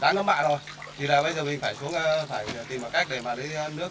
thì là bây giờ mình phải xuống phải tìm một cách để mà lấy nước về làm mạ thôi